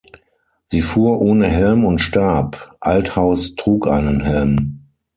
Sie fuhr ohne Helm und starb, Althaus trug einen Helm.